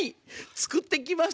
作ってきました。